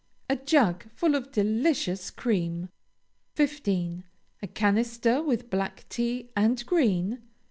A jug full of delicious cream. 15. A canister with black tea and green.